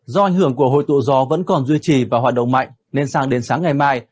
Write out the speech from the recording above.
do ảnh hưởng của hồi tụ gió vẫn còn duy trì và hoạt động mạnh nên sang đến sáng ngày mai